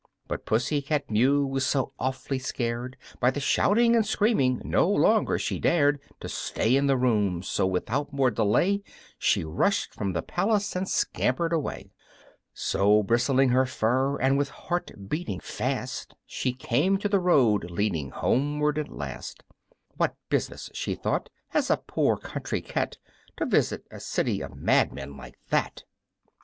But Pussy cat Mew was so awfully scared By the shouting and screaming, no longer she dared To stay in the room; so without more delay She rushed from the palace and scampered away! So bristling her fur, and with heart beating fast, She came to the road leading homeward at last. "What business," she thought, "has a poor country cat To visit a city of madmen like that?